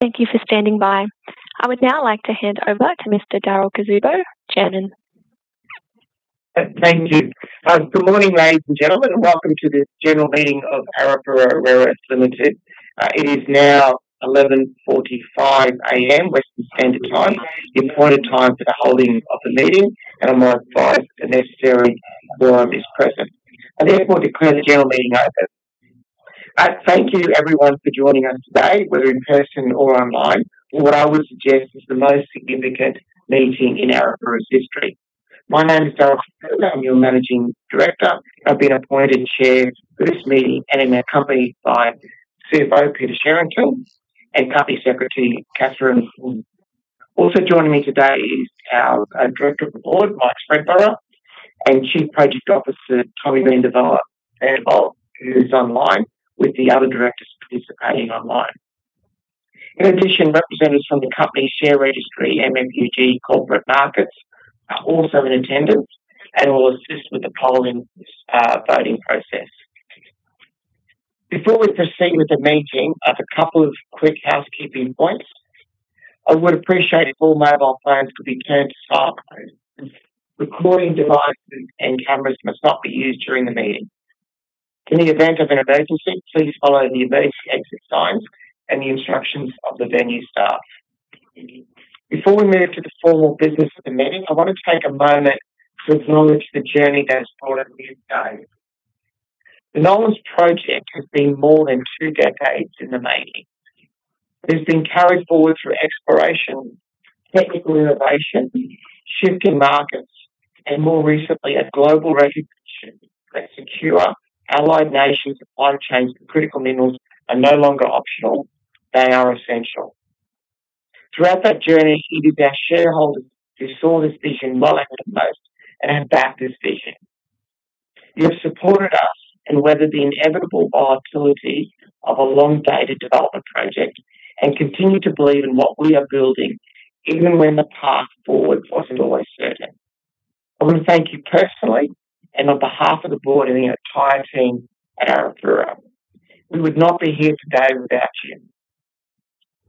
Thank you for standing by. I would now like to hand over to Mr. Darryl Cuzzubbo, Chairman. Thank you. Good morning, ladies and gentlemen, welcome to this general meeting of Arafura Rare Earths Limited. It is now 11:45 A.M., Western Standard Time, the appointed time for the holding of the meeting, I'm advised the necessary quorum is present. I therefore declare the general meeting open. Thank you everyone for joining us today, whether in person or online, for what I would suggest is the most significant meeting in Arafura's history. My name is Darryl Cuzzubbo. I'm your Managing Director. I've been appointed Chair for this meeting and am accompanied by Chief Financial Officer Peter Sherrington and Company Secretary Catherine Huynh. Also joining me today is our Director of the Board, Michael Spreadborough, and Chief Project Officer Tommie van der Walt, who's online, with the other directors participating online. In addition, representatives from the company share registry, MUFG Corporate Markets, are also in attendance and will assist with the polling voting process. Before we proceed with the meeting, I have a couple of quick housekeeping points. I would appreciate if all mobile phones could be turned to silent mode. Recording devices and cameras must not be used during the meeting. In the event of an emergency, please follow the emergency exit signs and the instructions of the venue staff. Before we move to the formal business of the meeting, I want to take a moment to acknowledge the journey that has brought us here today. The Nolans Project has been more than two decades in the making. It has been carried forward through exploration, technical innovation, shifting markets, more recently, a global recognition that secure allied nation supply chains for critical minerals are no longer optional. They are essential. Throughout that journey, it is our shareholders who saw this vision well ahead of most, have backed this vision. You have supported us, weathered the inevitable volatility of a long-dated development project, continue to believe in what we are building even when the path forward wasn't always certain. I want to thank you personally, on behalf of the board and the entire team at Arafura. We would not be here today without you.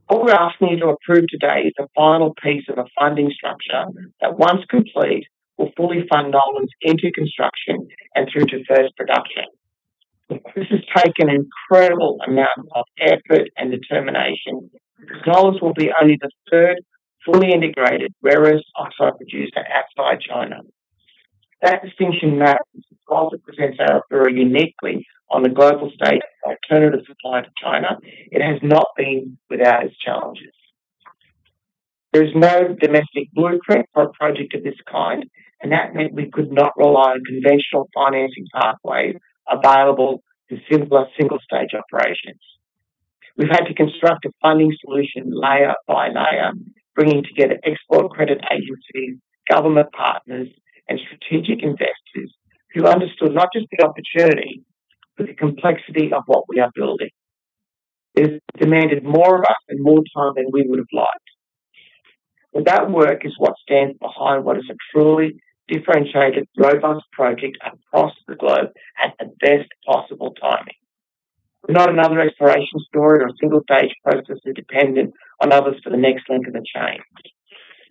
What we're asking you to approve today is a final piece of a funding structure that once complete, will fully fund Nolans into construction and through to first production. This has taken an incredible amount of effort and determination. Nolans will be only the third fully integrated rare earth oxide producer outside China. That distinction matters. Whilst it presents Arafura uniquely on the global stage as an alternative supply to China, it has not been without its challenges. There is no domestic blueprint for a project of this kind, and that meant we could not rely on conventional financing pathways available to simpler single-stage operations. We've had to construct a funding solution layer by layer, bringing together export credit agencies, government partners, and strategic investors who understood not just the opportunity, but the complexity of what we are building. It has demanded more of us and more time than we would have liked. That work is what stands behind what is a truly differentiated, robust project across the globe at the best possible timing. We're not another exploration story or a single-stage processor dependent on others for the next link in the chain.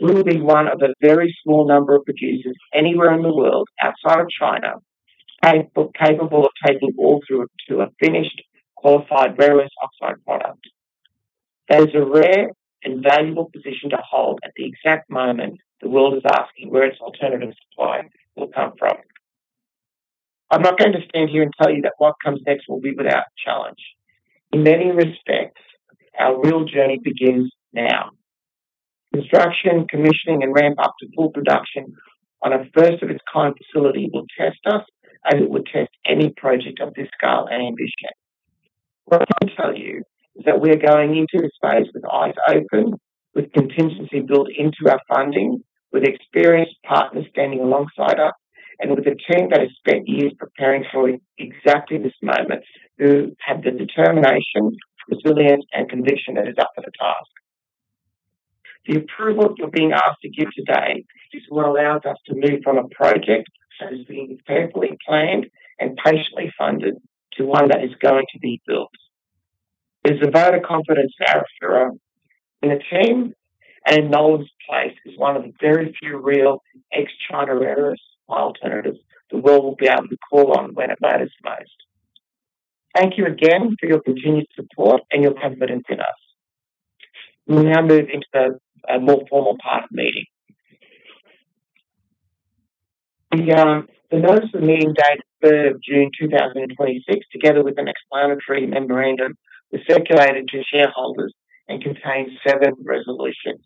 We will be one of a very small number of producers anywhere in the world outside of China, capable of taking ore through to a finished qualified rare earth oxide product. That is a rare and valuable position to hold at the exact moment the world is asking where its alternative supply will come from. I'm not going to stand here and tell you that what comes next will be without challenge. In many respects, our real journey begins now. Construction, commissioning, and ramp-up to full production on a first-of-its-kind facility will test us as it would test any project of this scale and ambition. What I can tell you is that we are going into this phase with eyes open, with contingency built into our funding, with experienced partners standing alongside us, and with a team that has spent years preparing for exactly this moment, who have the determination, resilience, and conviction that is up for the task. The approval you're being asked to give today is what allows us to move from a project that has been carefully planned and patiently funded to one that is going to be built. There's a vote of confidence in Arafura, in the team, and Nolans is one of the very few real ex-China rare earth alternatives the world will be able to call on when it matters most. Thank you again for your continued support and your confidence in us. We will now move into the more formal part of the meeting. The notice of the meeting dated 3rd June 2026, together with an explanatory memorandum, was circulated to shareholders and contains seven resolutions.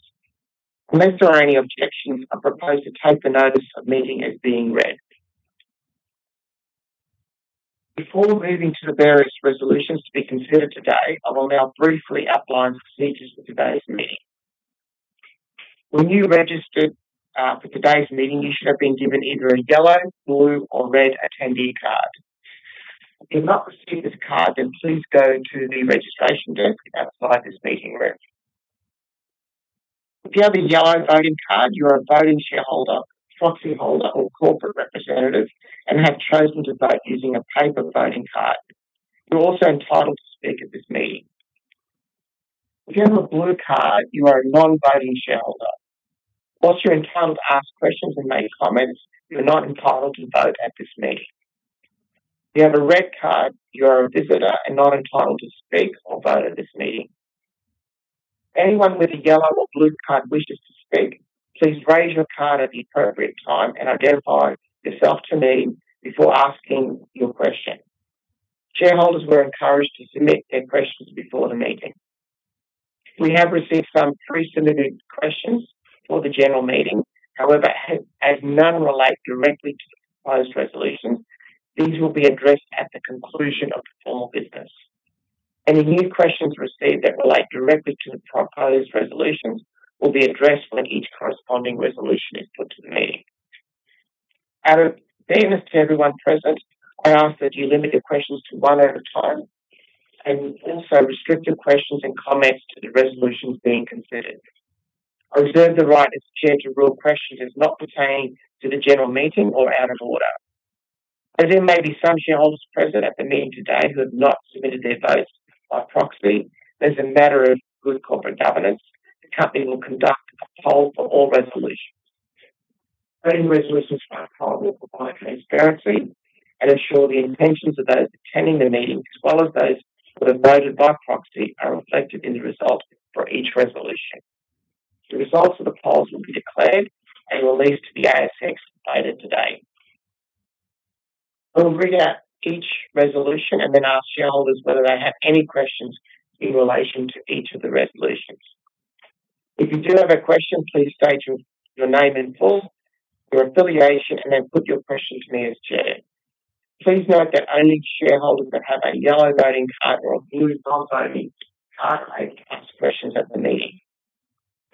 Unless there are any objections, I propose to take the notice of meeting as being read. Before moving to the various resolutions to be considered today, I will now briefly outline the procedures for today's meeting. When you registered for today's meeting, you should have been given either a yellow, blue, or red attendee card. If you've not received this card, then please go to the registration desk outside this meeting room. If you have a yellow voting card, you are a voting shareholder, proxyholder, or corporate representative and have chosen to vote using a paper voting card. You're also entitled to speak at this meeting. If you have a blue card, you are a non-voting shareholder. Whilst you're entitled to ask questions and make comments, you're not entitled to vote at this meeting. If you have a red card, you are a visitor and not entitled to speak or vote at this meeting. Anyone with a yellow or blue card wishes to speak, please raise your card at the appropriate time and identify yourself to me before asking your question. Shareholders were encouraged to submit their questions before the meeting. We have received some pre-submitted questions for the general meeting. However, as none relate directly to the proposed resolutions, these will be addressed at the conclusion of the formal business. Any new questions received that relate directly to the proposed resolutions will be addressed when each corresponding resolution is put to the meeting. Out of fairness to everyone present, I ask that you limit your questions to one at a time, and also restrict your questions and comments to the resolutions being considered. I reserve the right, as chair, to rule questions as not pertaining to the general meeting or out of order. As there may be some shareholders present at the meeting today who have not submitted their votes by proxy, as a matter of good corporate governance, the company will conduct a poll for all resolutions. Voting resolutions by poll will provide transparency and ensure the intentions of those attending the meeting, as well as those who have voted by proxy, are reflected in the result for each resolution. The results of the polls will be declared and released to the ASX later today. I will read out each resolution and then ask shareholders whether they have any questions in relation to each of the resolutions. If you do have a question, please state your name in full, your affiliation, and then put your question to me as chair. Please note that only shareholders that have a yellow voting card or a blue non-voting card may ask questions at the meeting.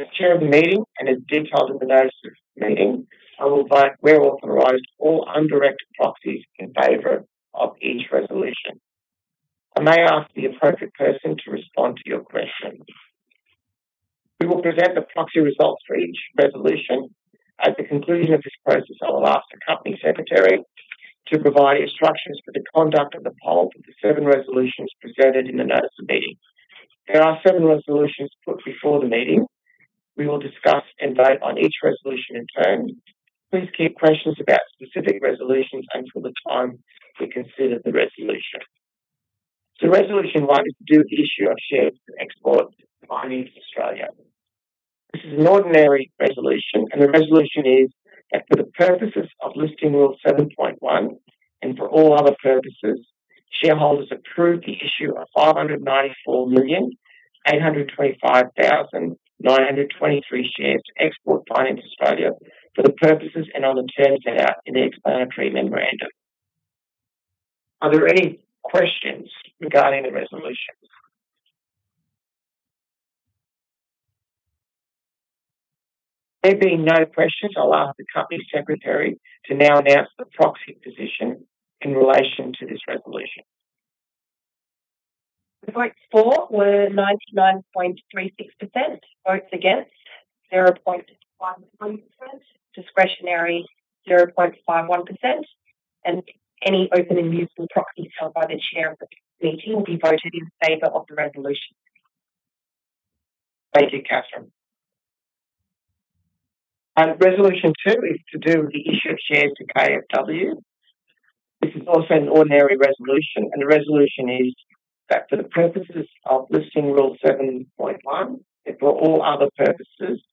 As chair of the meeting, and as detailed in the notice of meeting, I will vote where authorized all undirect proxies in favor of each resolution. I may ask the appropriate person to respond to your questions. We will present the proxy results for each resolution. At the conclusion of this process, I will ask the company secretary to provide instructions for the conduct of the poll for the seven resolutions presented in the notice of meeting. There are seven resolutions put before the meeting. We will discuss and vote on each resolution in turn. Please keep questions about specific resolutions until the time we consider the resolution. Resolution one is to do with the issue of shares for Export Finance Australia. This is an ordinary resolution, and the resolution is that for the purposes of Listing Rule 7.1, and for all other purposes, shareholders approve the issue of 594,825,923 shares to Export Finance Australia for the purposes and on the terms set out in the explanatory memorandum. Are there any questions regarding the resolution? There being no questions, I'll ask the company secretary to now announce the proxy position in relation to this resolution. The votes for were 99.36%. Votes against 0.13%. Discretionary 0.51%. Any open and usable proxies held by the chair of the meeting will be voted in favor of the resolution. Thank you, Catherine. Resolution two is to do with the issue of shares to KfW. This is also an ordinary resolution. The resolution is that for the purposes of Listing Rule 7.1, for all other purposes,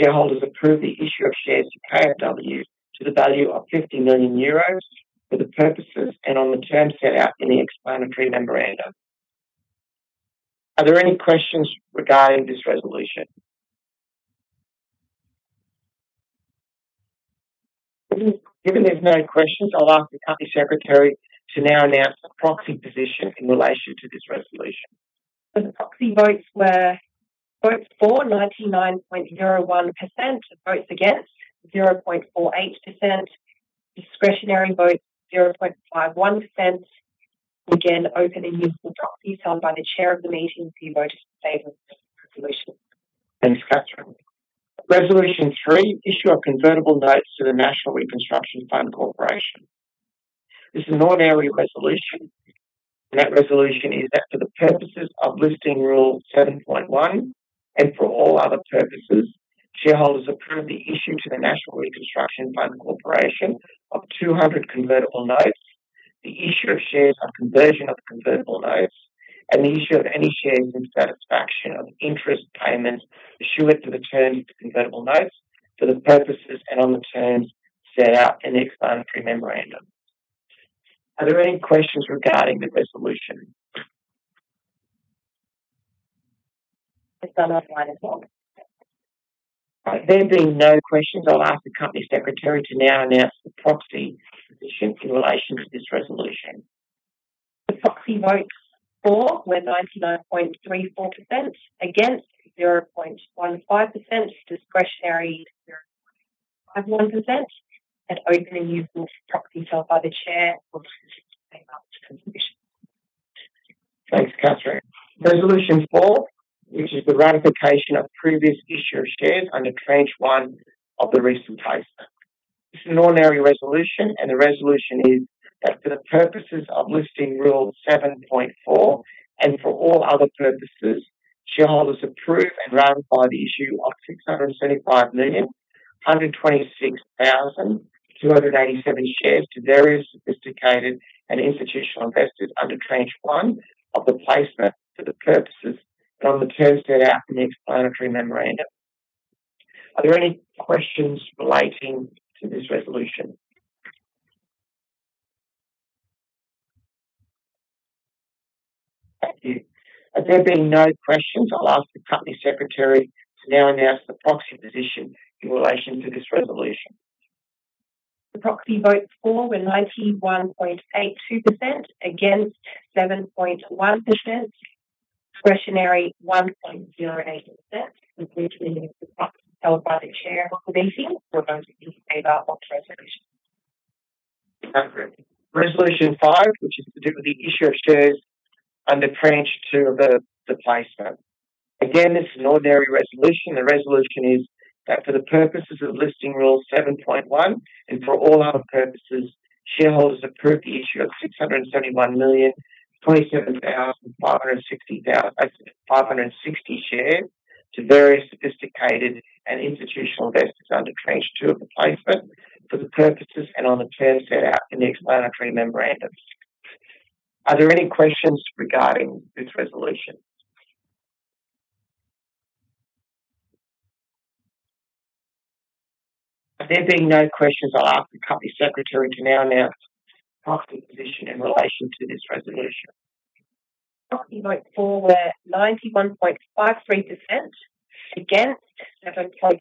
shareholders approve the issue of shares to KfW to the value of 50 million euros for the purposes and on the terms set out in the explanatory memorandum. Are there any questions regarding this resolution? Given there's no questions, I'll ask the company secretary to now announce the proxy position in relation to this resolution. The proxy votes were: votes for 99.01%. Votes against 0.48%. Discretionary votes 0.51%. Again, open and usable proxies held by the chair of the meeting will be voted in favor of this resolution. Thanks, Catherine. Resolution three, issue of convertible notes to the National Reconstruction Fund Corporation. This is an ordinary resolution. That resolution is that for the purposes of Listing Rule 7.1, for all other purposes, shareholders approve the issue to the National Reconstruction Fund Corporation of 200 convertible notes. The issue of shares on conversion of convertible notes, and the issue of any shares in satisfaction of interest payments pursuant to the terms of convertible notes for the purposes and on the terms set out in the explanatory memorandum. Are there any questions regarding the resolution? There's none online as well. All right. There being no questions, I'll ask the Company Secretary to now announce the proxy position in relation to this resolution. The proxy votes for were 99.34%. Against 0.15%. Discretionary 0.51%. Open and usable proxies held by the Chair will be voted in favor of this resolution. Thanks, Catherine. Resolution four, which is the ratification of previous issue of shares under tranche one of the recent placement. This is an ordinary resolution. The resolution is that for the purposes of Listing Rule 7.4 and for all other purposes, shareholders approve and ratify the issue of 675,126,287 shares to various sophisticated and institutional investors under tranche one of the placement for the purposes and on the terms set out in the explanatory memorandum. Are there any questions relating to this resolution? Thank you. As there being no questions, I'll ask the Company Secretary to now announce the proxy position in relation to this resolution. The proxy votes for were 91.82%. Against, 7.1%. Discretionary, 1.08%, which includes any proxies held by the chair of the meeting who voted in favor of the resolution. Thank you. Resolution five, which is to do with the issue of shares under tranche 2 of the placement. Again, this is an ordinary resolution. The resolution is that for the purposes of Listing Rule 7.1 and for all other purposes, shareholders approve the issue of 671,027,560 shares to various sophisticated and institutional investors under tranche 2 of the placement for the purposes and on the terms set out in the explanatory memorandum. Are there any questions regarding this resolution? As there being no questions, I'll ask the Company Secretary to now announce the proxy position in relation to this resolution. Proxy votes for were 91.53%. Against, 7.39%.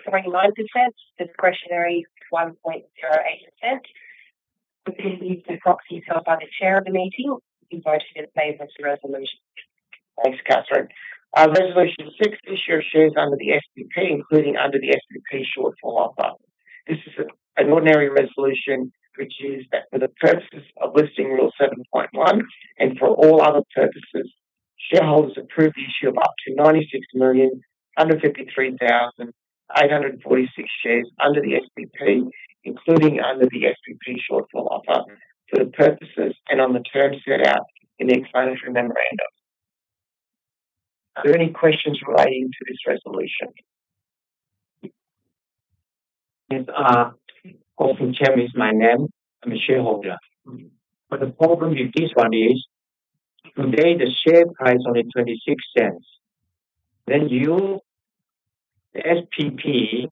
Discretionary, 1.08%, which includes any proxies held by the chair of the meeting, who voted in favor of the resolution. Thanks, Catherine. Resolution six, issue of shares under the SPP, including under the SPP shortfall offer. This is an ordinary resolution, which is that for the purposes of Listing Rule 7.1 and for all other purposes, shareholders approve the issue of up to 96,153,846 shares under the SPP, including under the SPP shortfall offer, for the purposes and on the terms set out in the explanatory memorandum. Are there any questions relating to this resolution? Yes. Gordon Cham is my name. I'm a shareholder. The problem with this one is today the share price only AUD 0.26. You, the SPP,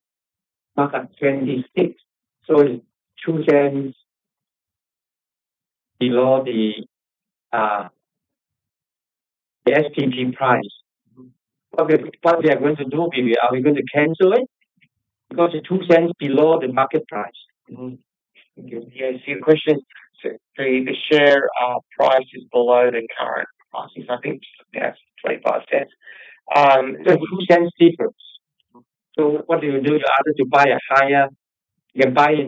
mark at 0.26. It's 0.02 below the SPP price. What we are going to do? Are we going to cancel it? It's 0.02 below the market price. Yeah, I see your question. The share price is below the current price. It's, I think, yeah, it's AUD 0.25. AUD 0.02 difference. What do you do? You're buying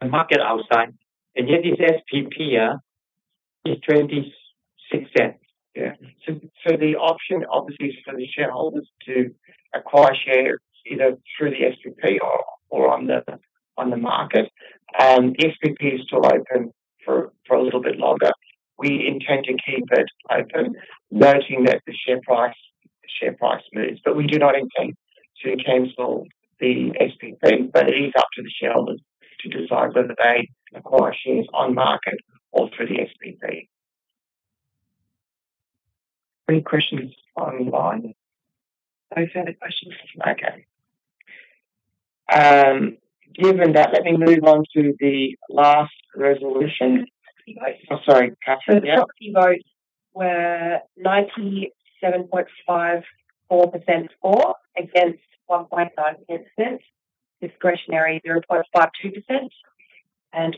the market outside, and yet this SPP is 0.26. Yeah. The option, obviously, is for the shareholders to acquire shares either through the SPP or on the market. SPP is still open for a little bit longer. We intend to keep it open, noting that the share price moves. We do not intend to cancel the SPP, but it is up to the shareholders to decide whether they acquire shares on market or through the SPP. Any questions online? No further questions. Okay. Given that, let me move on to the last resolution. Proxy votes. Oh, sorry, Catherine. Yeah. The proxy votes were 97.54% for. Against, 1.98%. Discretionary, 0.52%.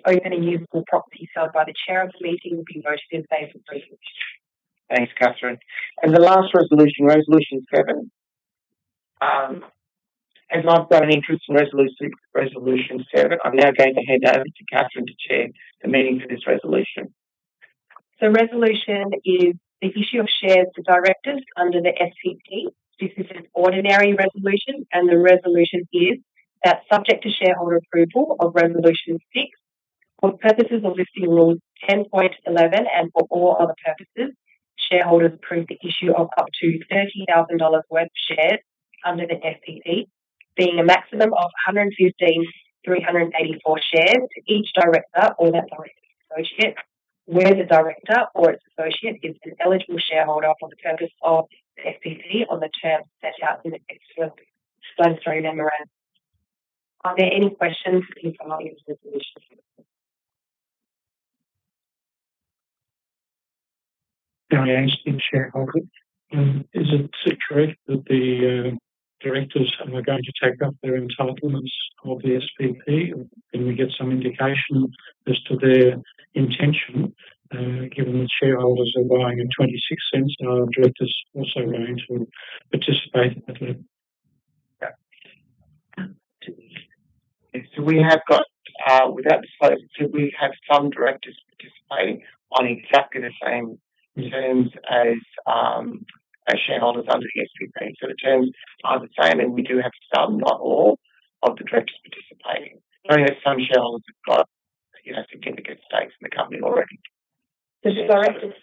Open and usable proxies held by the chair of the meeting who voted in favor of the resolution. Thanks, Catherine. The last resolution 7. As I've got an interest in resolution 7, I'm now going to hand over to Catherine to chair the meeting for this resolution. Resolution is the issue of shares to directors under the SPP. This is an ordinary resolution, and the resolution is that subject to shareholder approval of resolution 6, for purposes of Listing Rules 10.11 and for all other purposes, shareholders approve the issue of up to 30,000 dollars worth of shares under the SPP, being a maximum of 115,384 shares to each director or that director's associate, where the director or its associate is an eligible shareholder for the purpose of the SPP on the terms set out in the explanatory memorandum. Are there any questions or comments on this resolution? Gary Ashton, shareholder. Is it correct that the directors are going to take up their entitlements of the SPP? Can we get some indication as to their intention, given the shareholders are buying at 0.26? Are the directors also going to participate? We have some directors participating on exactly the same terms as shareholders under the SPP. The terms are the same, and we do have some, not all, of the directors participating, knowing that some shareholders have got significant stakes in the company already. The directors.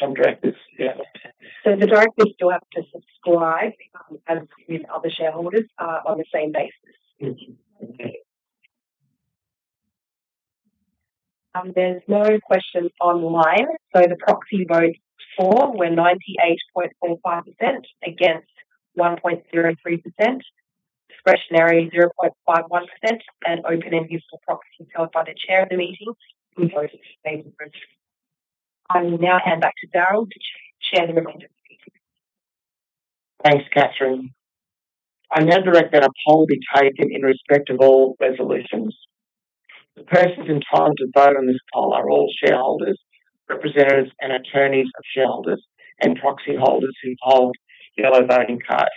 Some directors, yeah. The directors still have to subscribe, as with other shareholders, on the same basis. Okay. There's no questions online. The proxy votes for were 98.45%, against 1.03%, discretionary 0.51%, and open and useful proxies held by the chair of the meeting can vote as they wish. I will now hand back to Darryl to chair the remainder of the meeting. Thanks, Catherine. I now direct that a poll be taken in respect of all resolutions. The persons entitled to vote on this poll are all shareholders, representatives and attorneys of shareholders, and proxy holders who hold yellow voting cards.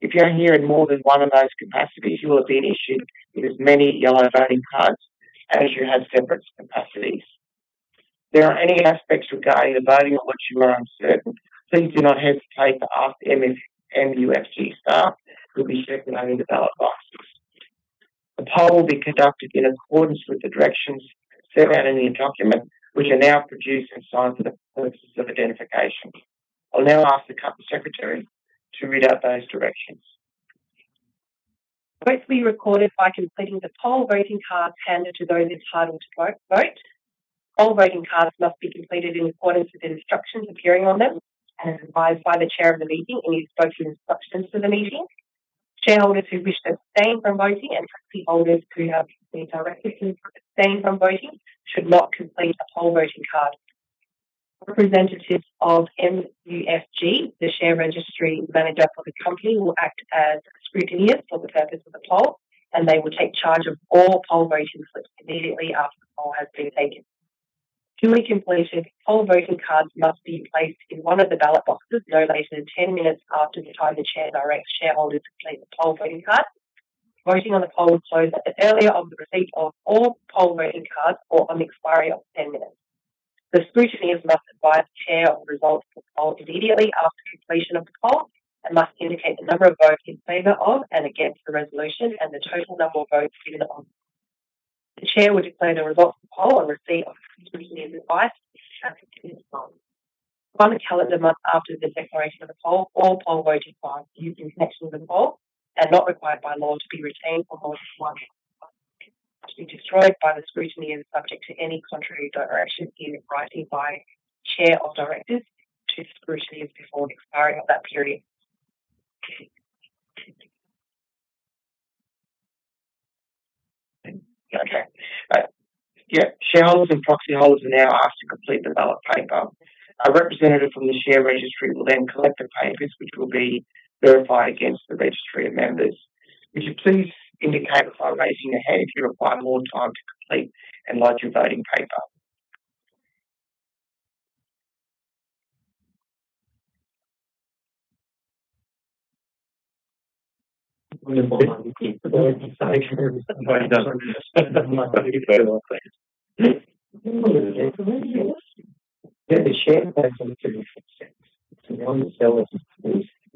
If you're here in more than one of those capacities, you will have been issued with as many yellow voting cards as you have separate capacities. If there are any aspects regarding the voting on which you are uncertain, please do not hesitate to ask any MUFG staff who'll be circulating the ballot boxes. The poll will be conducted in accordance with the directions set out in the document, which are now produced and signed for the purposes of identification. I'll now ask the company secretary to read out those directions. Votes will be recorded by completing the poll voting cards handed to those entitled to vote. Poll voting cards must be completed in accordance with the instructions appearing on them and as advised by the chair of the meeting in his opening instructions for the meeting. Shareholders who wish to abstain from voting and proxy holders who have been directed to abstain from voting should not complete a poll voting card. Representatives of MUFG, the share registry manager for the company, will act as scrutineers for the purpose of the poll, and they will take charge of all poll voting slips immediately after the poll has been taken. Duly completed poll voting cards must be placed in one of the ballot boxes no later than 10 minutes after the time the chair directs shareholders to complete the poll voting card. Voting on the poll will close at the earlier of the receipt of all poll voting cards or on the expiry of 10 minutes. The scrutineers must advise the Chair of the results of the poll immediately after completion of the poll and must indicate the number of votes in favor of and against the resolution and the total number of votes given on. The Chair will declare the results of the poll on receipt of the scrutineers' advice as soon as possible. One calendar month after the declaration of the poll, all poll voting files used in connection with the poll are not required by law to be retained for more than one month. They are to be destroyed by the scrutineers subject to any contrary direction in writing by Chair of Directors to scrutineers before the expiry of that period. Okay. Yep. Shareholders and proxy holders are now asked to complete the ballot paper. A representative from the share registry will collect the papers, which will be verified against the registry of members. Would you please indicate by raising a hand if you require more time to complete and lodge your voting paper?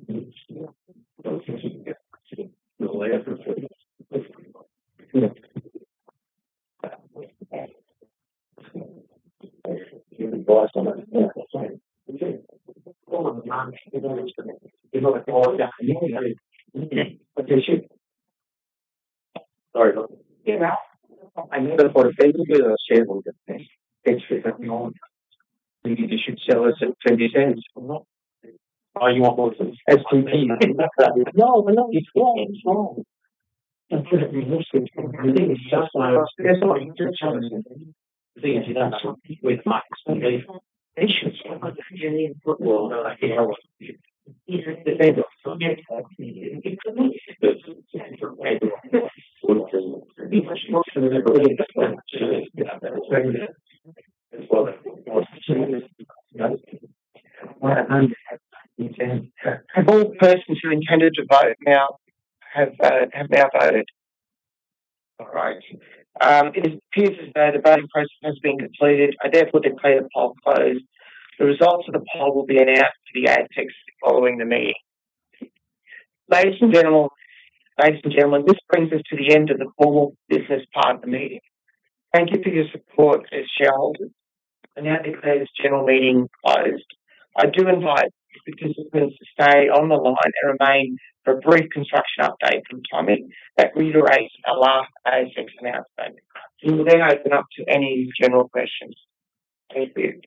Have all persons who intended to vote now have now voted? All right. It appears as though the voting process has been completed. I therefore declare the poll closed. The results of the poll will be announced via ASX following the meeting. Ladies and gentlemen, this brings us to the end of the formal business part of the meeting. Thank you for your support as shareholders. I now declare this general meeting closed. I do invite participants to stay on the line and remain for a brief construction update from Tommie that reiterates our last ASX announcement. We will open up to any general questions. Thank you.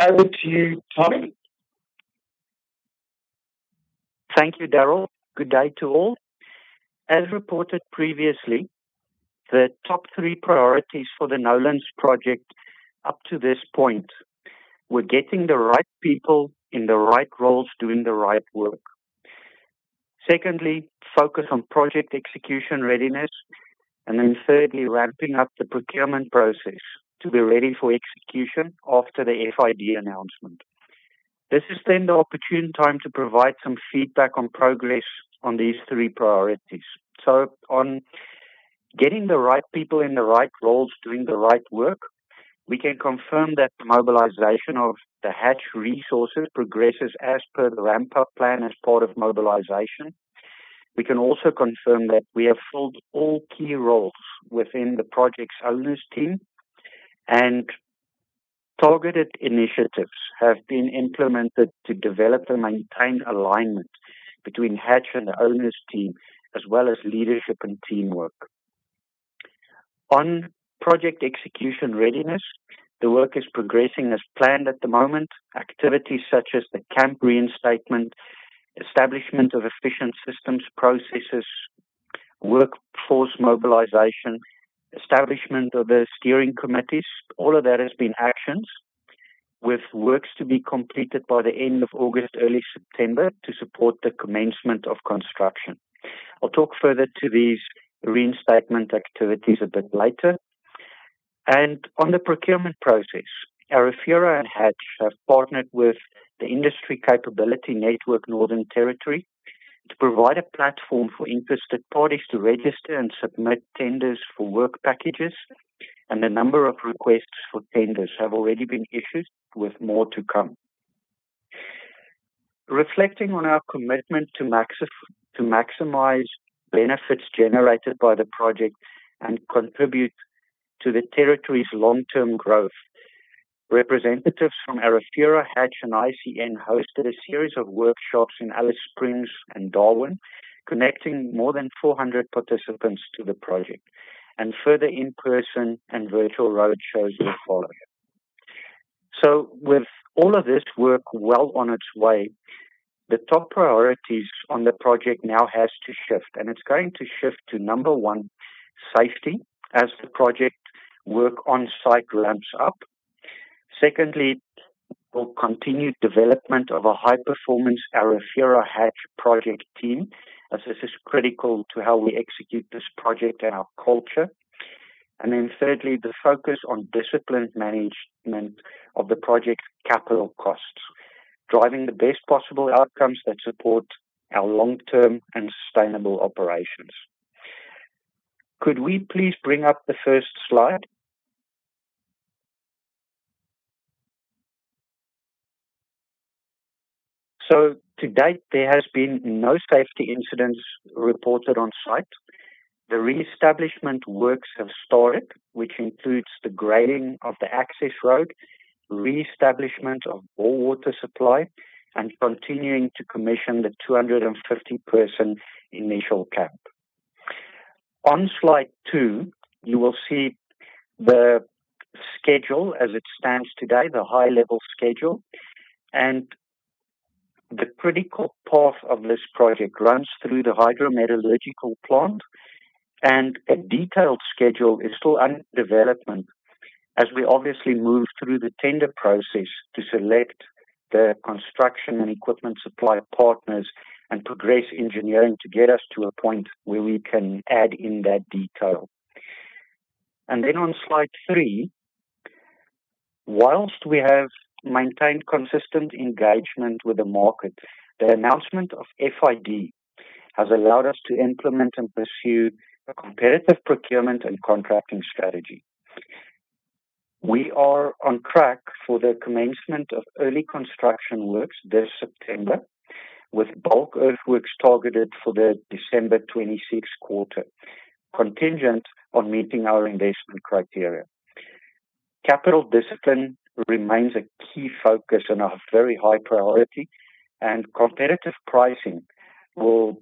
Over to you, Tommie. Thank you, Darryl. Good day to all. As reported previously, the top three priorities for the Nolans project up to this point were getting the right people in the right roles doing the right work. Secondly, focus on project execution readiness. And thirdly, ramping up the procurement process to be ready for execution after the FID announcement. This is the opportune time to provide some feedback on progress on these three priorities. On getting the right people in the right roles doing the right work, we can confirm that the mobilization of the Hatch resources progresses as per the ramp-up plan as part of mobilization. We can also confirm that we have filled all key roles within the project's owners team, and targeted initiatives have been implemented to develop and maintain alignment between Hatch and the owners team, as well as leadership and teamwork. On project execution readiness, the work is progressing as planned at the moment. Activities such as the camp reinstatement, establishment of efficient systems, processes, workforce mobilization, establishment of the steering committees, all of that has been actioned with works to be completed by the end of August, early September to support the commencement of construction. I'll talk further to these reinstatement activities a bit later. On the procurement process, Arafura and Hatch have partnered with the Industry Capability Network, Northern Territory, to provide a platform for interested parties to register and submit tenders for work packages, a number of requests for tenders have already been issued with more to come. Reflecting on our commitment to maximize benefits generated by the project and contribute to the territory's long-term growth. Representatives from Arafura, Hatch, and ICN hosted a series of workshops in Alice Springs and Darwin, connecting more than 400 participants to the project, further in-person and virtual roadshows will follow. With all of this work well on its way, the top priorities on the project now has to shift, it's going to shift to number one, safety, as the project work on-site ramps up. Secondly, we'll continue development of a high-performance Arafura Hatch project team as this is critical to how we execute this project and our culture. Thirdly, the focus on disciplined management of the project's capital costs, driving the best possible outcomes that support our long-term and sustainable operations. Could we please bring up the first slide? To date, there has been no safety incidents reported on-site. The reestablishment works have started, which includes the grading of the access road, reestablishment of bore water supply, and continuing to commission the 250 person initial camp. On slide two, you will see the schedule as it stands today, the high-level schedule. The critical path of this project runs through the hydrometallurgical plant, a detailed schedule is still under development as we obviously move through the tender process to select the construction and equipment supply partners and progress engineering to get us to a point where we can add in that detail. On slide three, whilst we have maintained consistent engagement with the market, the announcement of FID has allowed us to implement and pursue a competitive procurement and contracting strategy. We are on track for the commencement of early construction works this September, with bulk earthworks targeted for the December 2026 quarter, contingent on meeting our investment criteria. Capital discipline remains a key focus and a very high priority, competitive pricing will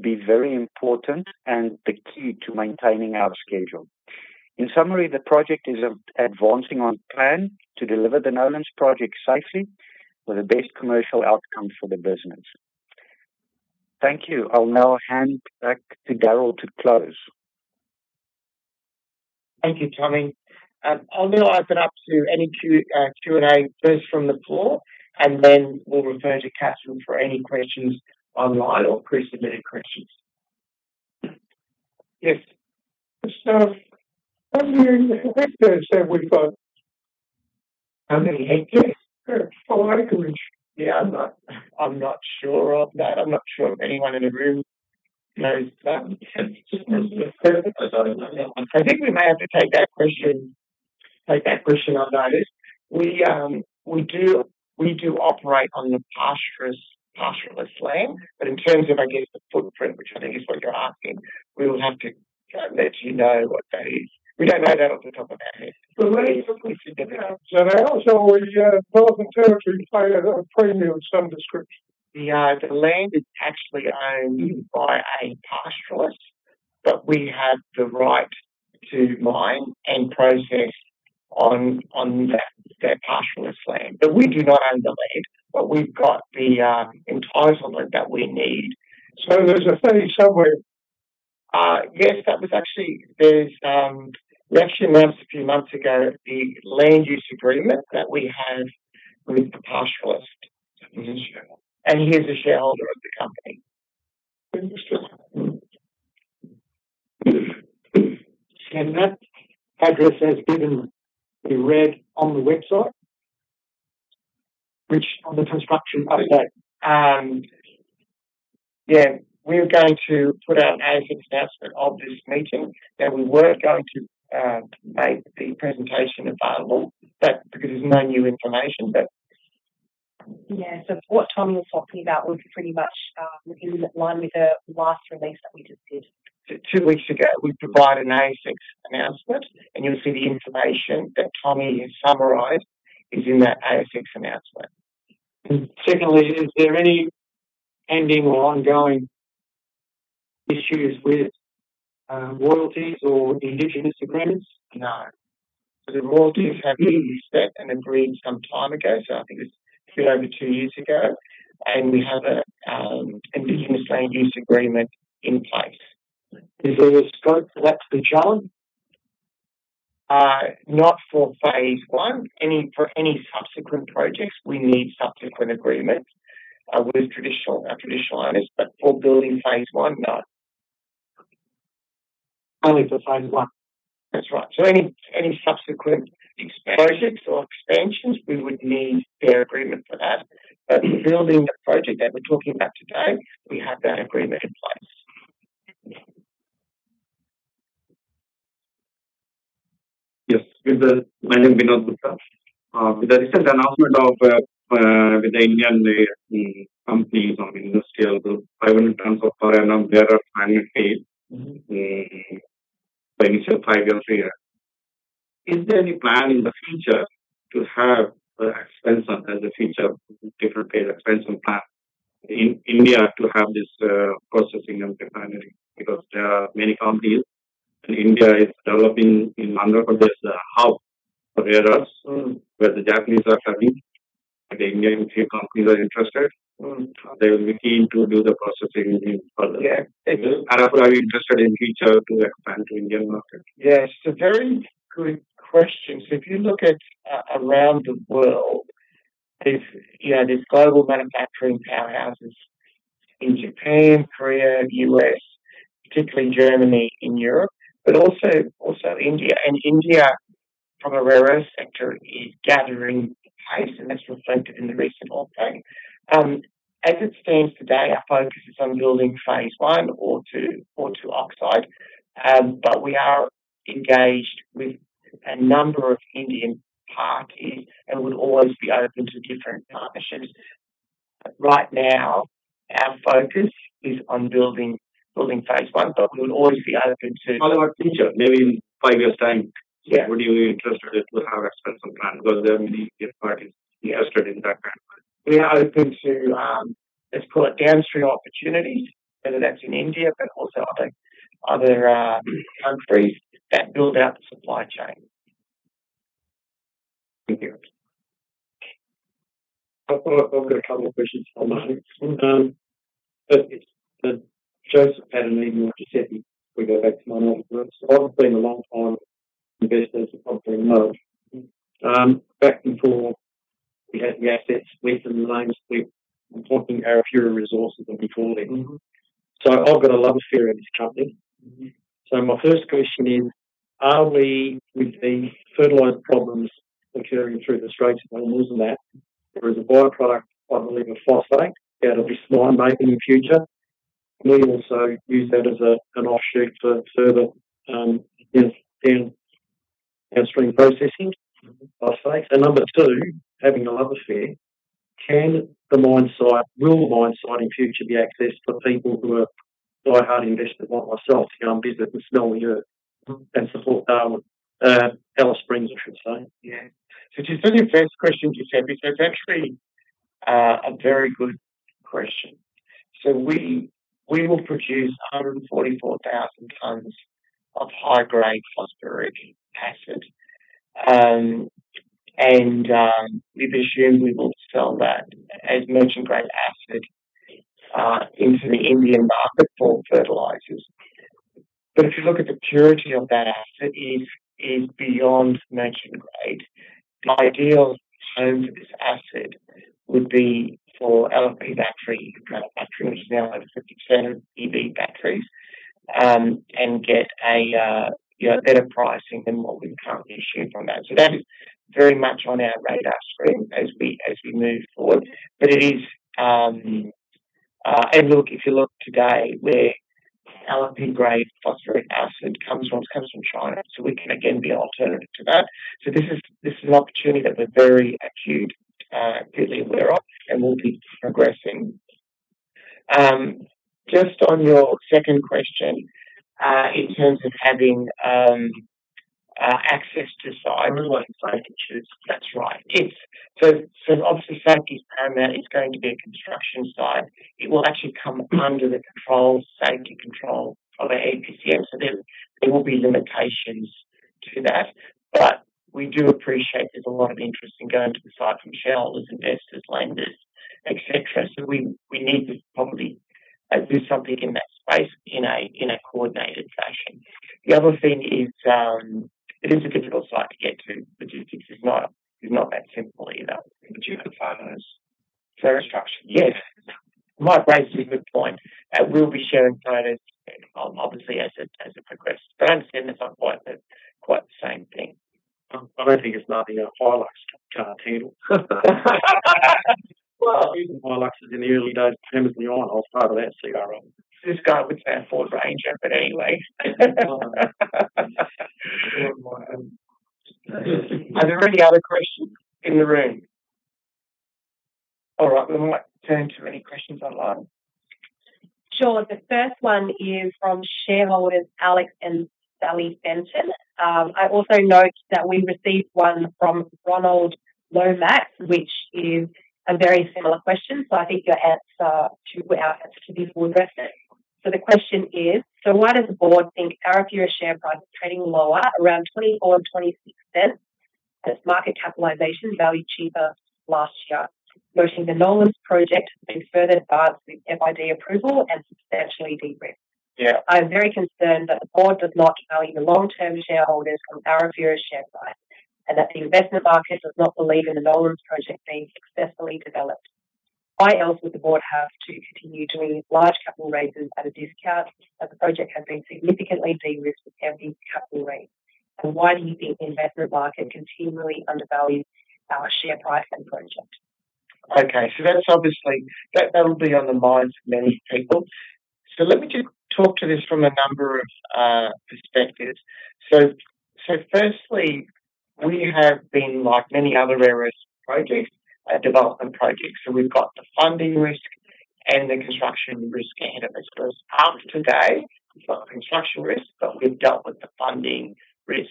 be very important and the key to maintaining our schedule. In summary, the project is advancing on plan to deliver the Nolans project safely with the best commercial outcome for the business. Thank you. I'll now hand back to Darryl to close. Thank you, Tommie. I'll now open up to any Q&A first from the floor, and then we'll refer to Catherine for any questions online or pre-submitted questions. Yes. How many hectares have we got? How many hectares? A lot, I can assure you. Yeah, I'm not sure of that. I'm not sure if anyone in the room knows that. It's just as well as I don't know. I think we may have to take that question on notice. We do operate on the pastoralist land. In terms of, I guess, the footprint, which I think is what you're asking, we will have to let you know what that is. We don't know that off the top of our head. The land- It's significant. They also, Northern Territory, pay a premium of some description. The land is actually owned by a pastoralist, but we have the right to mine and process on that pastoralist land. We do not own the land, but we've got the entitlement that we need. There's a 30-some where- We actually announced a few months ago the land use agreement that we have with the pastoralist. He is a shareholder of the company. Interesting. That address as given be read on the website, which on the construction update. Yeah. We're going to put out an ASX announcement of this meeting, we were going to make the presentation available, because there's no new information. What Tommie was talking about was pretty much within the line with the last release that we just did. Two weeks ago, we provide an ASX announcement, you'll see the information that Tommie has summarized is in that ASX announcement. Secondly, is there any pending or ongoing issues with royalties or Indigenous agreements? No. The royalties have been set and agreed some time ago, so I think it's a bit over two years ago, and we have an Indigenous land use agreement in place. Is there a scope for that to be challenged? Not for phase one. For any subsequent projects, we need subsequent agreements with our traditional owners. For building phase one, no. Only for phase one. That's right. any subsequent- Expansion projects or expansions, we would need their agreement for that. for building the project that we're talking about today, we have that agreement in place. Yes. My name Vinod Gupta. With the recent announcement of, with the Indian, companies on industrial, the 500 tons of product, there are final phase. Initial five-year figure. Is there any plan in the future to have expansion as a future, different phase expansion plan in India to have this, processing and refinery? there are many companies, and India is developing. In Bangalore, there's a hub for rare earths where the Japanese are coming, and Indian companies are interested. They will be keen to do the processing in further. Yeah. They do. Arafura are you interested in future to expand to Indian market? Yes, a very good question. If you look at around the world, there's global manufacturing powerhouses in Japan, Korea, U.S., particularly Germany and Europe, but also India. India from a rare earths sector is gathering pace, and that's reflected in the recent off-take. As it stands today, our focus is on building phase 1, ore to oxide. We are engaged with a number of Indian parties and would always be open to different partnerships. Right now our focus is on building phase 1. We would always be open to. Follow up future. Maybe in five years' time. Yeah. Would you be interested in how expansion plan, because then the Indian market, we have strength in the background. We are open to, let's call it downstream opportunities, whether that's in India, but also other countries that build out the supply chain. Thank you. I've got a couple of questions for the moment. Giuseppe had an email, Giuseppe. We go back a long way. I've been a long-time investor since the company emerged. Back and forth, we had the assets, we had the names, we were talking Arafura Resources before then. I've got a love affair with this company. My first question is, are we with the fertilizer problems occurring through the Strait of Malacca and that, there is a by-product, I believe, a phosphate that'll be mined or made in the future. Can we also use that as an offshoot for further downstream processing of phosphate? Number two, having a love affair, can the mine site, will the mine site in future be accessed for people who are diehard investors like myself? Visit the smelly earth and support Darwin. Alice Springs, I should say. Yeah. To your first question, Giuseppe, it's actually a very good question. We will produce 144,000 tons of high-grade phosphoric acid. We've assumed we will sell that as merchant-grade acid into the Indian market for fertilizers. If you look at the purity of that acid, is beyond merchant grade. The ideal home for this acid would be for LFP battery, electric battery, which is now over 50% EV batteries, and get a better pricing than what we currently issue from that. That is very much on our radar screen as we move forward. It is. Look, if you look today where LFP-grade phosphoric acid comes from, it comes from China. We can again be an alternative to that. This is an opportunity that we're very acute, clearly aware of, and we'll be progressing. Just on your second question, in terms of having access to site or looking at site visits. That's right. Obviously safety's paramount. It's going to be a construction site. It will actually come under the safety control of a EPCM. There will be limitations to that. We do appreciate there's a lot of interest in going to the site from shareholders, investors, lenders, et cetera. We need to probably do something in that space in a coordinated fashion. The other thing is, it is a difficult site to get to. Logistics is not that simple either. Would you have farmers? Sure. Yes. Mike raises a good point. We'll be sharing plans, obviously, as it progresses. I understand it's not quite the same thing. I don't think it's nothing a Hilux can't handle. Well- I've used Hiluxes in the early days. I was part of that. [inaudible] This guy with his Ford Ranger, anyway. Are there any other questions in the room? All right. I might turn to any questions online. Sure. The first one is from shareholders Alex and Sally Benson. I also note that we received one from Ronald Lomax, which is a very similar question. I think your answer to our answer should be addressing. The question is: Why does the board think Arafura share price is trading lower around 0.24 and 0.26 as market capitalization valued cheaper last year, noting the Nolans project has been further advanced with FID approval and substantially de-risked? Yeah. I am very concerned that the board does not value the long-term shareholders from Arafura share price, that the investment market does not believe in the Nolans Project being successfully developed. Why else would the board have to continue doing large capital raises at a discount as the Project has been significantly de-risked with every capital raise? Why do you think the investment market continually undervalues our share price and Project? Okay. That will be on the minds of many people. Let me just talk to this from a number of perspectives. Firstly, we have been like many other rare earth projects, development projects. We've got the funding risk and the construction risk ahead of us. As of today, we've got the construction risk, but we've dealt with the funding risk.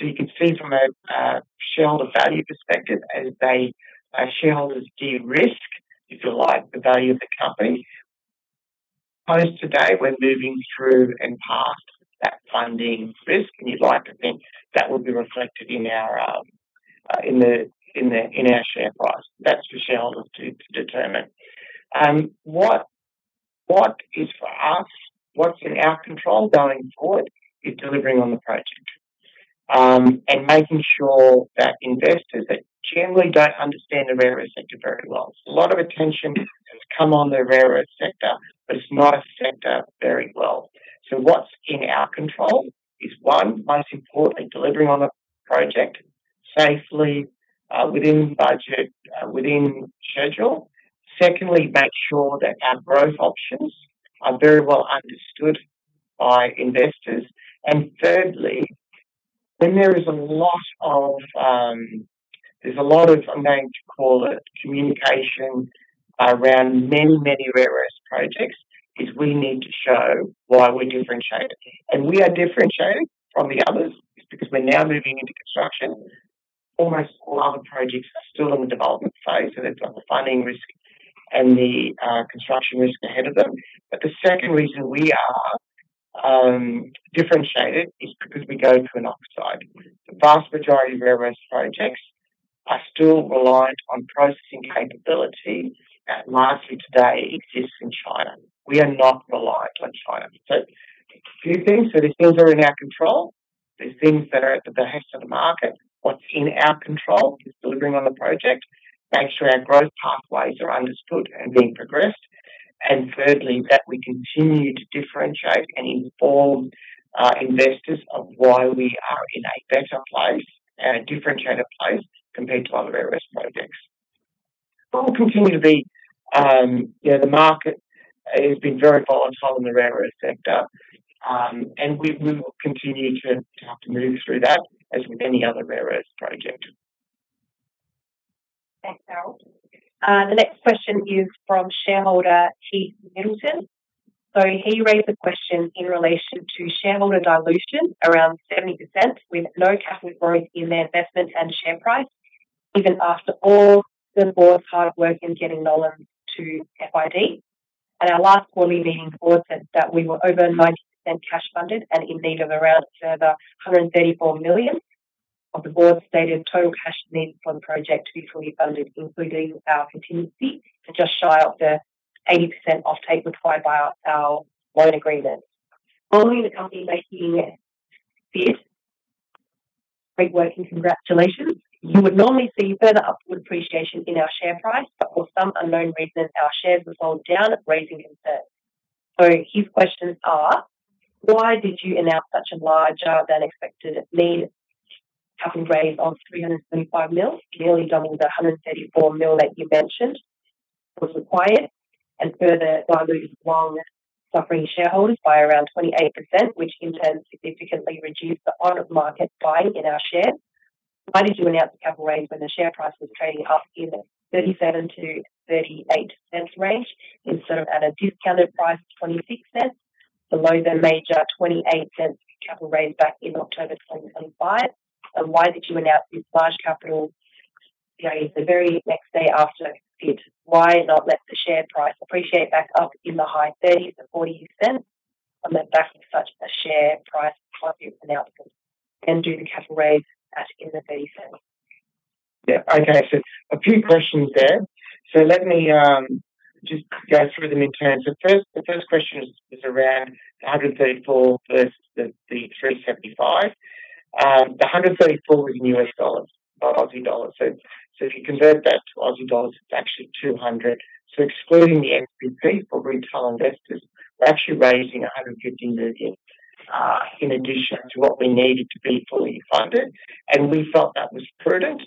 You could see from a shareholder value perspective, as shareholders de-risk, if you like, the value of the company. Post today, we're moving through and past that funding risk, and you'd like to think that will be reflected in our share price. That's for shareholders to determine. What is for us, what's in our control going forward, is delivering on the project, and making sure that investors that generally don't understand the rare earth sector very well. A lot of attention has come on the rare earth sector, but it's not a sector very well. What's in our control is, one, most importantly, delivering on the project safely, within budget, within schedule. Secondly, make sure that our growth options are very well understood by investors. Thirdly, when there is a lot of, I'm going to call it communication around many, many rare earth projects, is we need to show why we're differentiated. We are differentiated from the others is because we're now moving into construction. Almost all other projects are still in the development phase, so they've got the funding risk and the construction risk ahead of them. The second reason we are differentiated is because we go to an oxide. The vast majority of rare earth projects are still reliant on processing capability that largely today exists in China. We are not reliant on China. A few things. There's things that are in our control. There's things that are at the behest of the market. What's in our control is delivering on the project, make sure our growth pathways are understood and being progressed, and thirdly, that we continue to differentiate and inform our investors of why we are in a better place and a differentiated place compared to other rare earth projects. The market has been very volatile in the rare earth sector, and we will continue to have to move through that, as with any other rare earth project. Thanks, Darryl. The next question is from shareholder Keith Middleton. He raised the question in relation to shareholder dilution around 70% with no capital growth in their investment and share price, even after all the board's hard work in getting Nolans to FID. At our last quarterly meeting, the board said that we were over 90% cash funded and in need of around further $134 million of the board's stated total cash needs for the project to be fully funded, including our contingency to just shy of the 80% offtake required by our loan agreement. Following the company making this great work and congratulations, you would normally see further upward appreciation in our share price, but for some unknown reason, our shares were sold down, raising concerns. His questions are, why did you announce such a larger than expected main capital raise of 375 million, nearly double the $134 million that you mentioned was required, and further dilute long-suffering shareholders by around 28%, which in turn significantly reduced the on-market buying in our shares? Why did you announce the capital raise when the share price was trading up in the 0.37-0.38 range instead of at a discounted price of 0.26 below the major 0.28 capital raise back in October 2025? Why did you announce this large capital gain the very next day after FID? Why not let the share price appreciate back up in the AUD 0.30s or 0.40 on the back of such a share price positive announcement and do the capital raise at 0.30? A few questions there. Let me just go through them in turn. The first question is around the $134 million versus the AUD 375 million. The $134 million was in USD, not AUD. If you convert that to AUD, it's actually 200 million. Excluding the SPP for retail investors, we're actually raising 150 million, in addition to what we needed to be fully funded, and we felt that was prudent,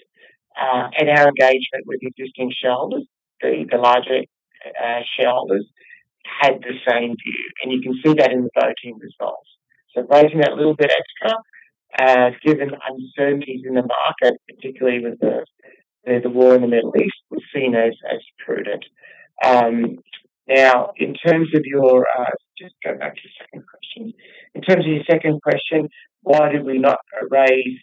and our engagement with existing shareholders, the larger shareholders, had the same view. You can see that in the voting results. Raising that little bit extra, given uncertainties in the market, particularly with the war in the Middle East, we've seen as prudent. Just going back to your second question. In terms of your second question, why did we not raise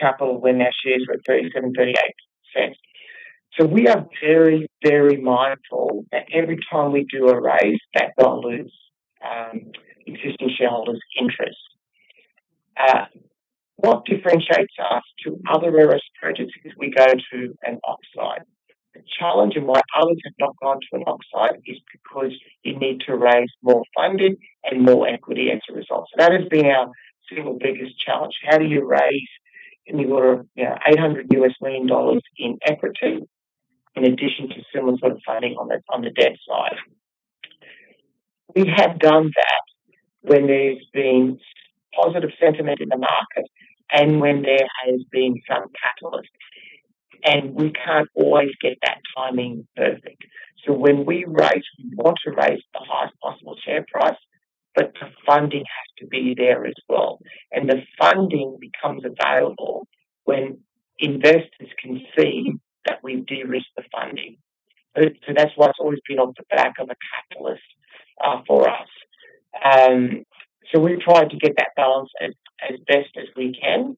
capital when our shares were at 0.37, AUD 0.38? We are very, very mindful that every time we do a raise, that dilutes existing shareholders' interest. What differentiates us to other rare earths projects is we go to an oxide. The challenge and why others have not gone to an oxide is because you need to raise more funding and more equity as a result. That has been our single biggest challenge. How do you raise in the order of 800 million dollars in equity in addition to similar sort of funding on the debt side? We have done that when there's been positive sentiment in the market and when there has been some catalyst, we can't always get that timing perfect. When we raise, we want to raise the highest possible share price, but the funding has to be there as well. The funding becomes available when investors can see that we've de-risked the funding. That's why it's always been off the back of a catalyst for us. We've tried to get that balance as best as we can.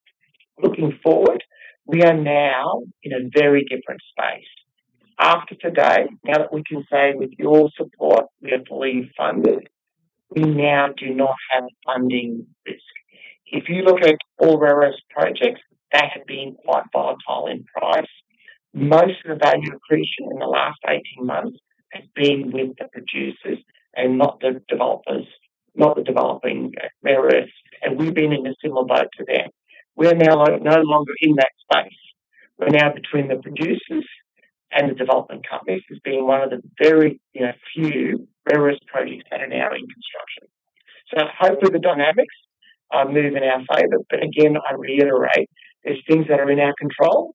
Looking forward, we are now in a very different space. After today, now that we can say with your support, we are fully funded, we now do not have funding risk. If you look at all rare earths projects, they have been quite volatile in price. Most of the value accretion in the last 18 months has been with the producers and not the developers, not the developing rare earths, and we've been in a similar boat to them. We are now no longer in that space. We're now between the producers and the development companies as being one of the very few rare earths projects that are now in construction. Hopefully the dynamics move in our favor. Again, I reiterate, there's things that are in our control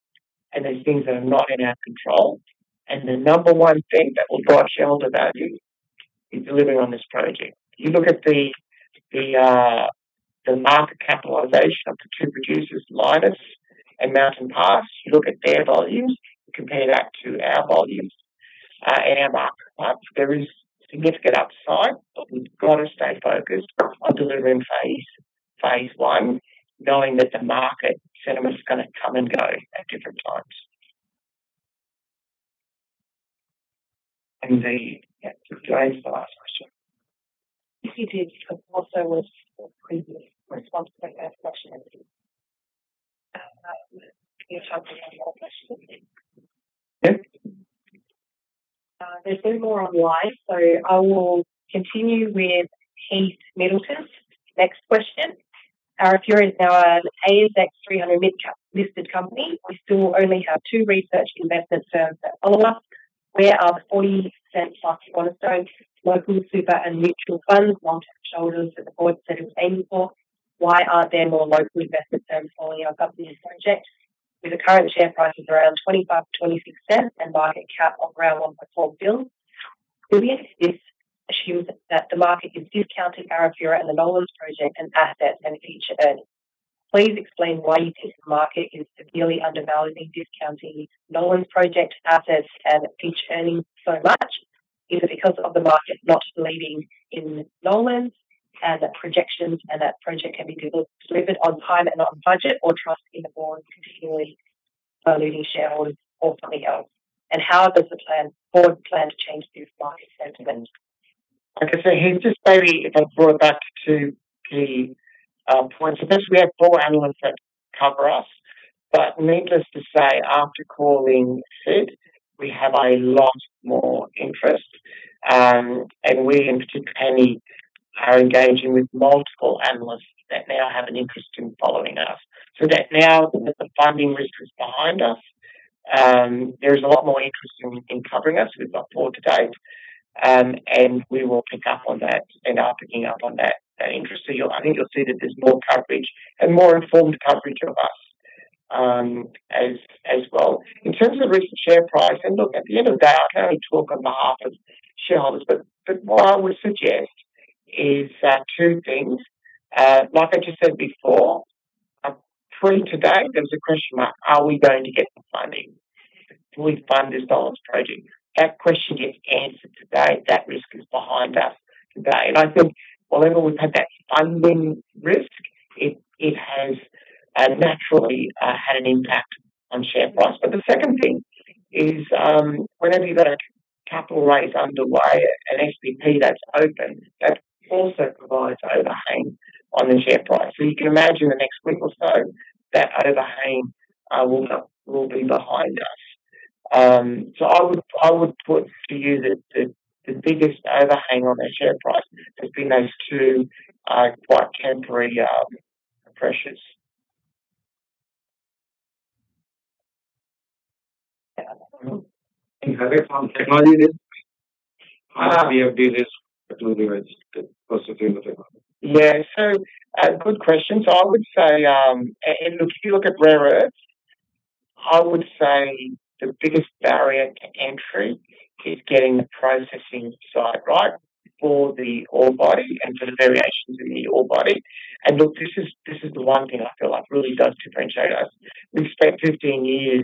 and there's things that are not in our control, and the number one thing that will drive shareholder value is delivering on this project. You look at the market capitalization of the two producers, Lynas and Mountain Pass, you look at their volumes, you compare that to our volumes and our market cap, there is significant upside, but we've got to stay focused on delivering phase one, knowing that the market sentiment is going to come and go at different times. Indeed. Yeah. Today is the last question. If you did, it also was a previous response to that last question. Any other questions? Yeah. There's no more online, I will continue with Keith Middleton. Next question. Arafura is now an ASX 300 mid-cap listed company. We still only have two research investment firms that follow us. Where are the 40% market cornerstone local super and mutual funds, long-term shareholders that the board said it was aiming for? Why aren't there more local investment firms following our company's project? With the current share prices around 0.25-0.26 and market cap of around 1.4 billion. Could this assume that the market is discounting Arafura and the Nolans Project and asset and future earnings? Please explain why you think the market is severely undervaluing, discounting Nolans Project assets and future earnings so much. Is it because of the market not believing in Nolans and the projections and that project can be delivered on time and on budget, or trust in the board continually diluting shareholders or something else? How does the board plan to change this market sentiment? Like I say, Keith, just maybe if I brought back to the point. First, we have four analysts that cover us, but needless to say, after calling FID, we have a lot more interest. We, in particular, the team, are engaging with multiple analysts that now have an interest in following us. That now that the funding risk is behind us, there is a lot more interest in covering us. We've got four to date, and we will pick up on that and are picking up on that interest. I think you'll see that there is more coverage and more informed coverage of us as well. In terms of the recent share price, and look, at the end of the day, I can only talk on behalf of shareholders, but what I would suggest is that two things. Like I just said before, pre-today, there was a question mark. Are we going to get the funding? Do we fund this Nolans Project? That question gets answered today. That risk is behind us today. I think while we've had that funding risk, it has naturally had an impact on share price. The second thing is, whenever you got a Capital raise underway, an SPP that's open, that also provides overhang on the share price. You can imagine in the next week or so that overhang will be behind us. I would put to you that the biggest overhang on the share price has been those two quite temporary pressures. Have you found technology risk? Have you had business that will be registered possibly with the government? Good question. I would say, look, if you look at rare earths, I would say the biggest barrier to entry is getting the processing site right for the ore body and for the variations in the ore body. Look, this is the one thing I feel like really does differentiate us. We've spent 15 years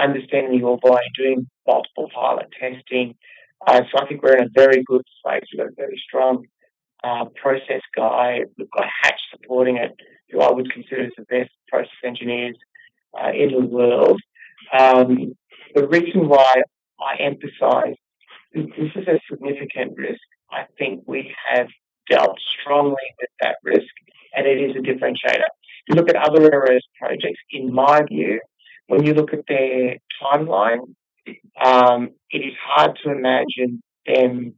understanding the ore body, doing multiple pilot testing. I think we're in a very good place. We've got a very strong process guy. We've got Hatch supporting it, who I would consider is the best process engineers in the world. The reason why I emphasize this is a significant risk, I think we have dealt strongly with that risk, and it is a differentiator. You look at other rare earths projects, in my view, when you look at their timeline, it is hard to imagine them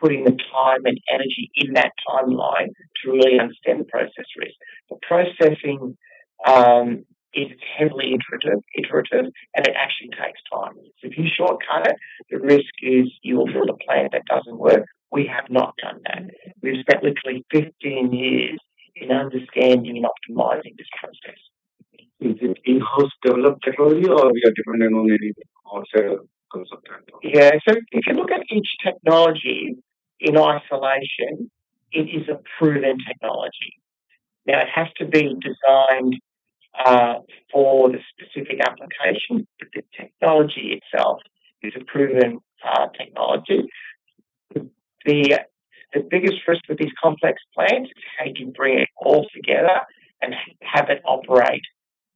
putting the time and energy in that timeline to really understand the process risk. Processing is heavily iterative, and it actually takes time. If you shortcut it, the risk is you will build a plant that doesn't work. We have not done that. We've spent literally 15 years in understanding and optimizing this process. Is it in-house developed technology or we are dependent on any outside consultant or If you look at each technology in isolation, it is a proven technology. Now it has to be designed for the specific application, the technology itself is a proven technology. The biggest risk with these complex plants is how you can bring it all together and have it operate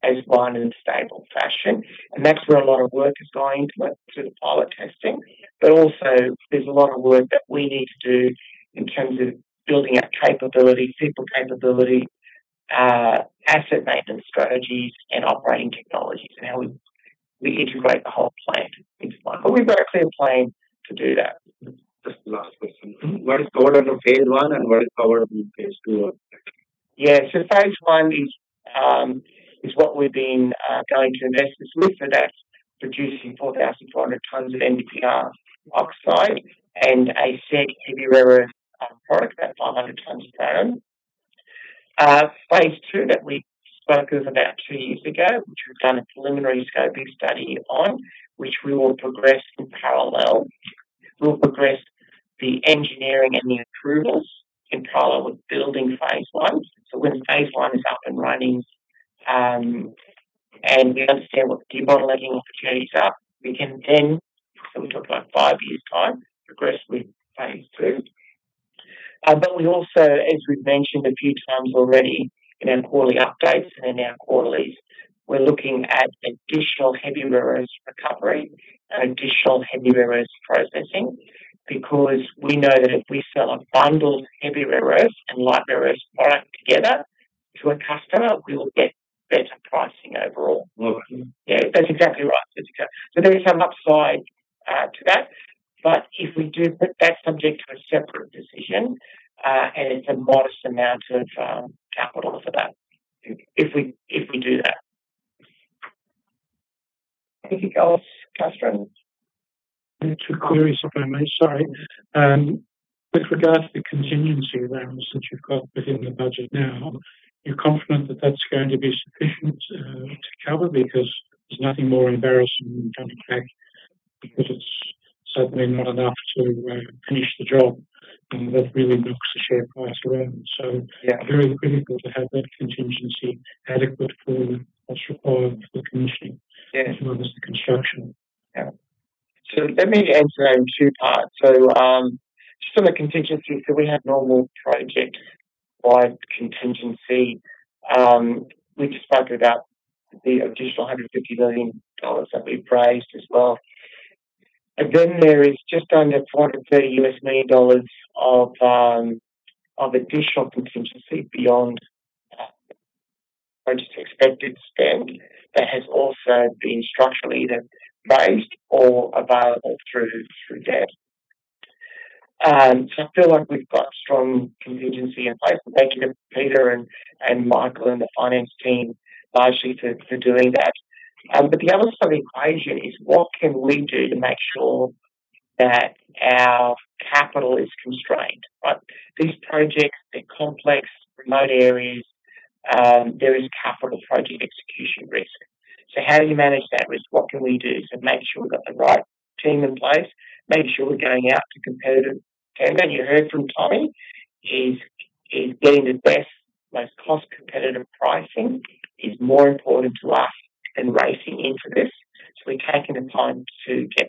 as one in a stable fashion, that's where a lot of work has gone into it through the pilot testing. Also there's a lot of work that we need to do in terms of building our capability, people capability, asset maintenance strategies and operating technologies and how we integrate the whole plant into one. We've got a clear plan to do that. Just last question. What is the order of phase 1 and what is the order of phase 2 of the project? Yeah. Phase 1 is what we've been going to investors with, that's producing 4,400 tons of NdPr oxide and a set heavy rare earths product, about 500 tons per annum. Phase 2 that we spoke of about two years ago, which we've done a preliminary scoping study on, which we will progress in parallel. We'll progress the engineering and the approvals in parallel with building phase 1. When phase 1 is up and running, and we understand what the debottlenecking opportunities are, we can then, we're talking about five years' time, progress with phase 2. We also, as we've mentioned a few times already in our quarterly updates and in our quarterlies, we're looking at additional heavy rare earths recovery and additional heavy rare earths processing because we know that if we sell a bundled heavy rare earths and light rare earths product together to a customer, we will get better pricing overall. All right. Yeah. That's exactly right. There is some upside to that, if we do put that subject to a separate decision, and it's a modest amount of capital for that if we do that. Anything else, Ashton? Two queries, if I may. Sorry. With regards to the contingency rounds that you've got within the budget now, you're confident that that's going to be sufficient to cover because there's nothing more embarrassing than coming back because it's suddenly not enough to finish the job and that really knocks the share price around. It's very critical to have that contingency adequate for what's required for commissioning. As well as the construction. Let me answer that in two parts. Just on the contingency, we have normal project-wide contingency. We've spoken about the additional 150 million dollars that we've raised as well. There is just under $430 million of additional contingency beyond our budget expected spend that has also been structurally either raised or available through debt. I feel like we've got strong contingency in place. Thank you to Peter and Michael and the finance team largely for doing that. The other side of the equation is what can we do to make sure that our capital is constrained, right? These projects, they're complex, remote areas. There is capital project execution risk. How do you manage that risk? What can we do? Make sure we've got the right team in place, make sure we're going out to competitive tender. You heard from Tommie is getting the best, most cost-competitive pricing is more important to us than racing into this. We've taken the time to get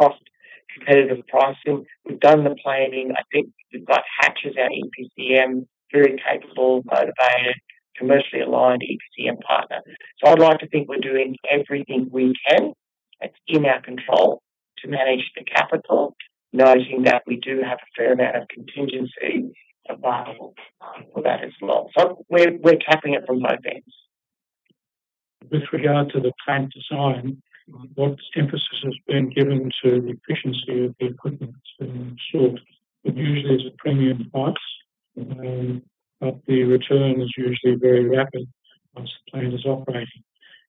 cost-competitive pricing. We've done the planning. I think we've got Hatch as our EPCM, very capable, motivated, commercially aligned EPCM partner. I'd like to think we're doing everything we can that's in our control to manage the capital, noting that we do have a fair amount of contingency available for that as well. We're capping it from both ends. With regard to the plant design, what emphasis has been given to the efficiency of the equipment that's being sourced? It usually is a premium price, but the return is usually very rapid once the plant is operating.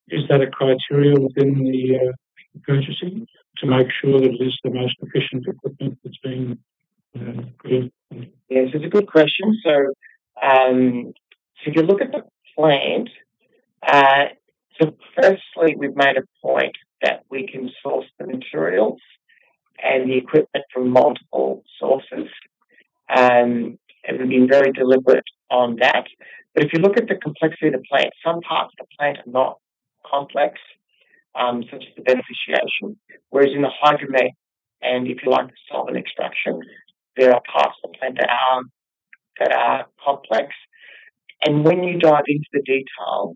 Is that a criteria within the purchasing to make sure that it is the most efficient equipment that's being put in? Yes, it's a good question. If you look at the plant, firstly, we've made a point that we can source the materials and the equipment from multiple sources, and we've been very deliberate on that. If you look at the complexity of the plant, some parts of the plant are not complex, such as the beneficiation. Whereas in the hydrometallurgy, and if you like, the solvent extraction, there are parts of the plant that are complex. When you dive into the detail,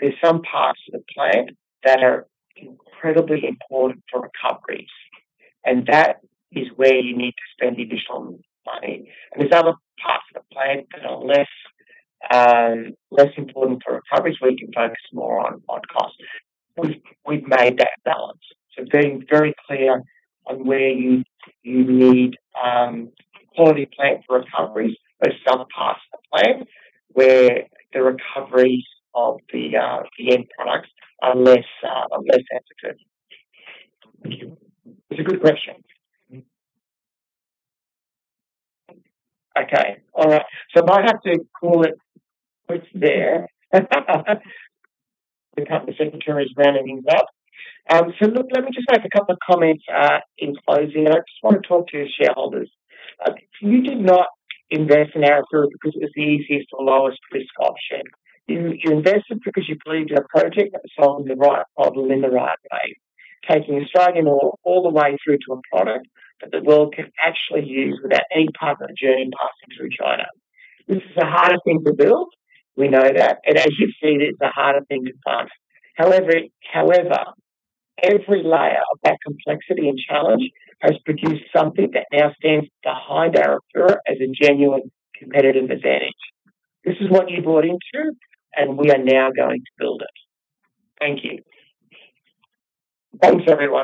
there's some parts of the plant that are incredibly important for recoveries, and that is where you need to spend additional money. There's other parts of the plant that are less important for recoveries, where you can focus more on cost. We've made that balance. Being very clear on where you need quality plant for recoveries versus other parts of the plant where the recoveries of the end products are less sensitive. It's a good question. Okay. All right. I might have to call it quits there. The company secretary is rounding things up. Let me just make a couple of comments in closing. I just want to talk to your shareholders. You did not invest in Arafura because it was the easiest or lowest risk option. You invested because you believed in a project that was solving the right problem in the right way. Taking a Nolans ore all the way through to a product that the world can actually use without any part of that journey passing through China. This is a harder thing to build. We know that. As you've seen, it's a harder thing to fund. However, every layer of that complexity and challenge has produced something that now stands behind Arafura as a genuine competitive advantage. This is what you bought into, we are now going to build it. Thank you. Thanks, everyone.